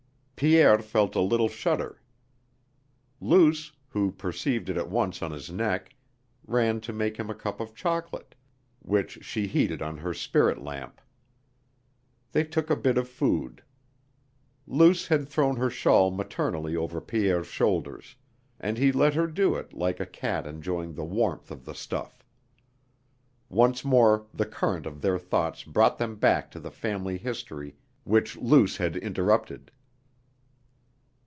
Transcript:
Pierre felt a little shudder. Luce, who perceived it at once on his neck, ran to make him a cup of chocolate, which she heated on her spirit lamp. They took a bit of food. Luce had thrown her shawl maternally over Pierre's shoulders; and he let her do it like a cat enjoying the warmth of the stuff. Once more the current of their thoughts brought them back to the family history which Luce had interrupted.